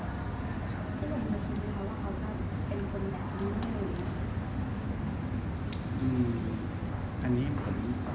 พี่บอกว่าเขาจะเป็นคนแบบนี้หรือ